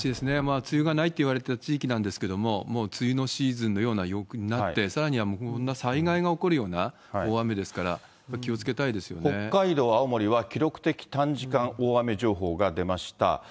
梅雨がないっていわれた地域なんですけれども、もう梅雨のシーズンのような陽気になって、さらには災害が起こるような大雨ですから、北海道、青森は記録的短時間大雨情報が出ました。